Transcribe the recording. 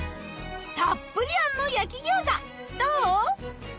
たっぷり餡の焼き餃子どう？